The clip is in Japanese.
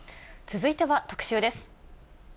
続いては特集です。